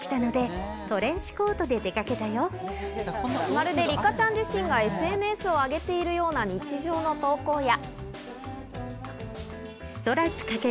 まるでリカちゃん自身がＳＮＳをあげているような日常の投稿や。